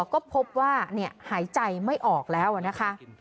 ก็พบว่าหายใจไม่ออกแล้วนะคะ